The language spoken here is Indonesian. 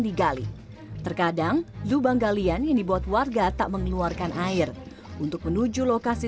berkali kali terkadang lubang galian ini buat warga tak mengeluarkan air untuk menuju lokasi